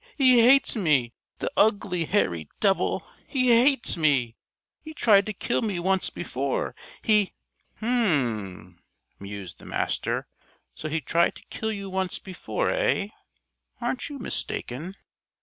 He hates me, the ugly hairy devil! He hates me. He tried to kill me once before! He " "H'm!" mused the Master. "So he tried to kill you once before, eh? Aren't you mistaken?"